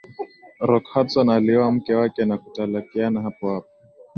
rock hudson alioa mke wake na kutalakiana hapohapo